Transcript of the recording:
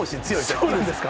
そうなんですか。